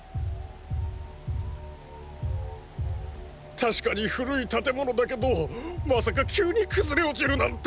確かに古い建物だけどまさか急に崩れ落ちるなんて！